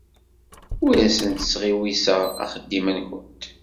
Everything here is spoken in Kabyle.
Ur asent-sɣiwiseɣ axeddim-nsent.